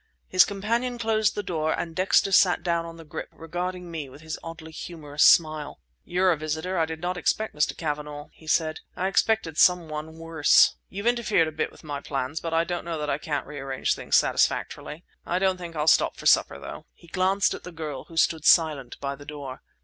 His companion closed the door and Dexter sat down on the grip, regarding me with his oddly humorous smile. "You're a visitor I did not expect, Mr. Cavanagh," he said. "I expected someone worse. You've interfered a bit with my plans but I don't know that I can't rearrange things satisfactorily. I don't think I'll stop for supper, though—" He glanced at the girl, who stood silent by the door.